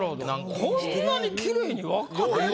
こんなにきれいに分かれるの？